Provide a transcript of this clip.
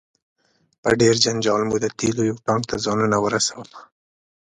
په ډیر جنجال مو د تیلو یو ټانک ته ځانونه ورسول.